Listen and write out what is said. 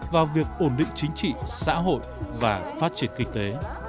vào việc ổn định chính trị xã hội và phát triển kinh tế